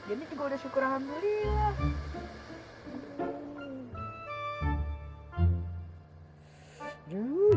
jadi gue udah syukur alhamdulillah